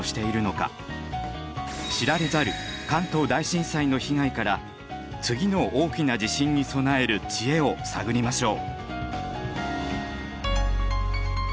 知られざる関東大震災の被害から次の大きな地震に備える知恵を探りましょう。